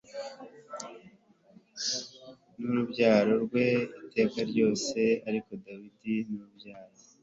n urubyaro rwe iteka ryose ariko dawidi n urubyaro